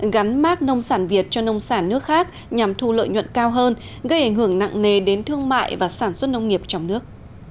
gắn mát nông sản việt cho nông sản nước khác nhằm thu lợi nhuận cao hơn gây ảnh hưởng nặng nề đến thương mại và sản xuất nông nghiệp trong nước